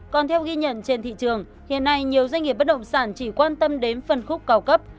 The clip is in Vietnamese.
còn theo ghi nhận trên thị trường hiện nay nhiều doanh nghiệp bất động sản chỉ quan tâm đến phân khúc cao cấp